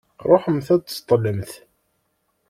Ṛuḥemt ad d-tseṭṭlemt.